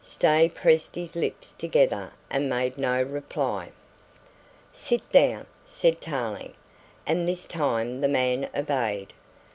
Stay pressed his lips together and made no reply. "Sit down," said Tarling, and this time the man obeyed.